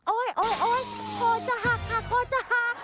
โอ๊ยคอจะหักค่ะคอจะหัก